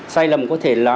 sai lầm có thể là